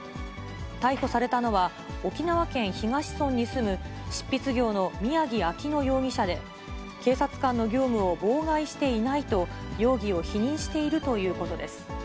逮捕されたのは、沖縄県東村に住む執筆業の宮城秋乃容疑者で、警察官の業務を妨害していないと、容疑を否認しているということです。